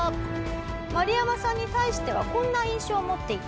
マルヤマさんに対してはこんな印象を持っていたと。